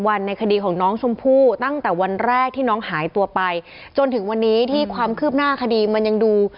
วันในคดีของน้องชมพู่ตั้งแต่วันแรกที่น้องหายตัวไปจนถึงวันนี้ที่ความคืบหน้าคดีมันยังดู